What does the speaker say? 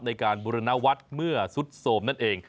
ในการบุรณวัฒน์เมื่อสุดโสมนั่นเอง